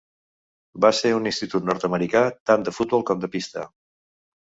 Va ser un institut nord-americà tant de futbol com de pista.